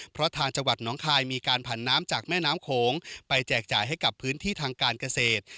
เพราะทางจังหวัดน้องคายมีการผันน้ำจากแม่น้ำโขงไปแจกจ่ายให้กับพื้นที่ทางการเกษตร